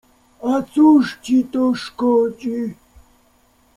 — A cóż ci to szkodzi?